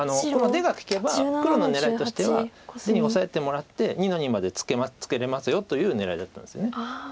出が利けば黒の狙いとしては出にオサえてもらって２の二までツケれますよという狙いだったんです。